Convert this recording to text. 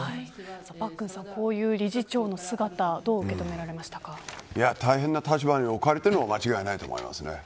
パックンさん、こういう理事長の姿大変な立場に置かれているのは間違いないと思います。